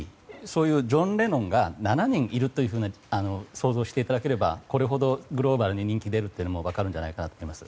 そういうジョン・レノンが７人いると想像していただければこれほどグローバルに人気が出るのも分かるんじゃないかと思います。